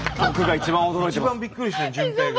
一番びっくりしてる淳平が。